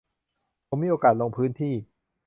ผมมีโอกาสลงพื้นที่